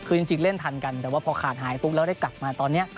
คือจริงเล่นทันกันแต่ว่าพอขาดหายปุ๊บแล้วได้กลับมาตอนนี้